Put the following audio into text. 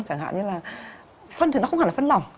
chẳng hạn như là phân thì nó không hẳn là phân lỏng